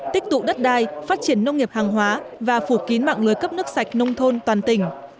tích tụ đất đai phát triển nông nghiệp hàng hóa và phủ kín mạng lưới cấp nước sạch nông thôn toàn tỉnh